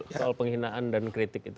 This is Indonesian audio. soal penghinaan dan kritik itu